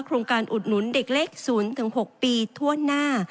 โครงการอุดหนุนเด็กเล็ก๐๖ปีทั่วหน้า